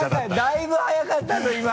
だいぶ速かったぞ今。